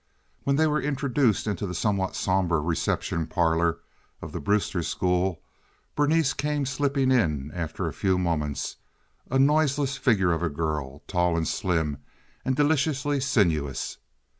When they were introduced into the somewhat somber reception parlor of the Brewster School, Berenice came slipping in after a few moments, a noiseless figure of a girl, tall and slim, and deliciously sinuous.